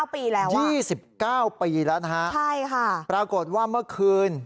๒๙ปีแล้วนะฮะใช่ค่ะปรากฏว่าเมื่อคืน